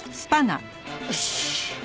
よし！